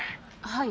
はい。